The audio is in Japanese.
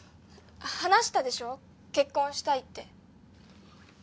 話したでしょ結婚したいって。